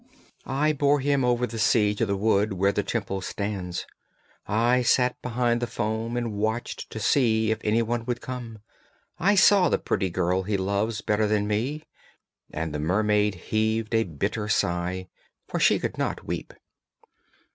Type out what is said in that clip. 'I bore him over the sea to the wood where the Temple stands. I sat behind the foam and watched to see if any one would come. I saw the pretty girl he loves better than me.' And the mermaid heaved a bitter sigh, for she could not weep.